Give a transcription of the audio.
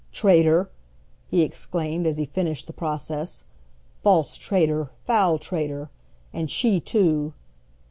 "Traitor," he exclaimed, as he finished the process. "False traitor! Foul traitor! And she too!"